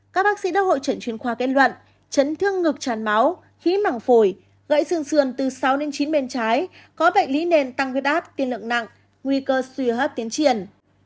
các bác sĩ đã hội trận chuyên khoa kết luận chấn thương ngực tràn máu khí mảng phổi gãy xương sườn từ sáu đến chín bên trái có bệnh lý nền tăng huyết áp tiên lượng nặng nguy cơ suy hấp tiến triển